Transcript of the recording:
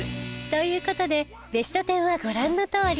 という事でベスト１０はご覧のとおり